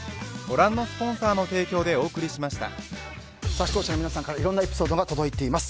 視聴者の皆さんからいろいろなエピソードが届いています。